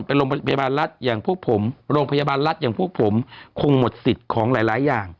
โรงพยาบาลรัฐอย่างพวกผมโรงพยาบาลรัฐอย่างพวกผมคงหมดสิทธิ์ของหลายหลายอย่าง